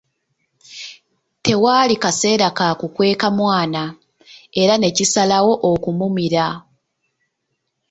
Tewali kaseera ka kukweeka mwana, era ne kisalawo okumumira.